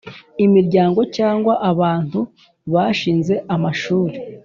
Imiryango cyangwa abantu bashinze amashuri